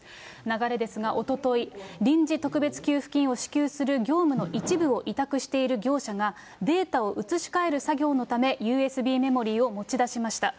流れですが、おととい、臨時特別給付金を支給する業務の一部を委託している業者が、データを移し替える作業のため、ＵＳＢメモリーを持ち出しました。